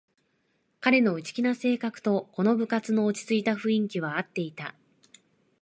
彼の内気な性格とこの部活の落ちついた雰囲気はあっていた